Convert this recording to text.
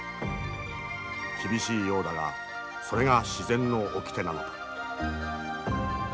厳しいようだがそれが自然のおきてなのだ。